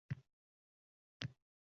Rishtonning jahon tan olgan kulolchiligi